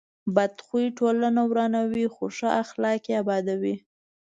بد خوی ټولنه ورانوي، خو ښه اخلاق یې ابادوي.